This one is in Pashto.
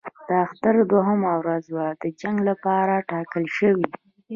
د اختر دوهمه ورځ د جنګ لپاره وټاکل شوه.